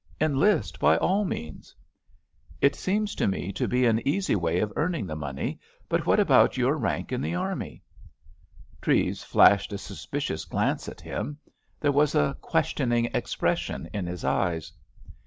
"Enlist by all means." "It seems to me to be an easy way of earning the money, but what about your rank in the army?" Treves flashed a suspicious glance at him; there was a questioning expression in his eyes.